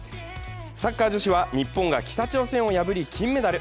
サッカー女子は日本が北朝鮮を破り金メダル。